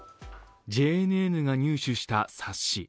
ＪＮＮが入手した冊子。